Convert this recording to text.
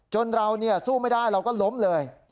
เราสู้ไม่ได้เราก็ล้มเลย